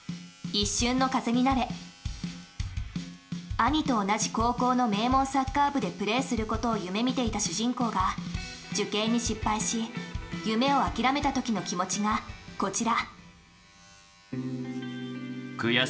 兄と同じ高校の名門サッカー部でプレイすることを夢みていた主人公が受験に失敗し夢を諦めたときの気持ちがこちら。